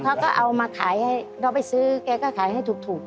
เขาก็เอามาขายให้เราไปซื้อแกก็ขายให้ถูก